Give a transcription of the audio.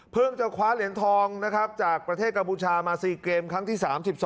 จะคว้าเหรียญทองนะครับจากประเทศกัมพูชามา๔เกมครั้งที่๓๒